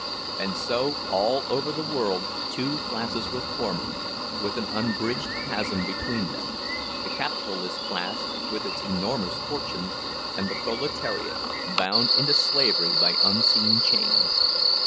And so all over the world two classes were forming, with an unbridged chasm between them—the capitalist class, with its enormous fortunes, and the proletariat, bound into slavery by unseen chains.